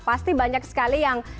pasti banyak sekali yang